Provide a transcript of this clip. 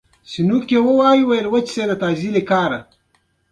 د هر کار په شروع کښي بسم الله ویل مه هېروئ!